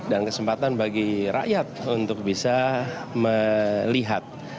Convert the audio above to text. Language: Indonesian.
dan kesempatan bagi rakyat untuk bisa melihat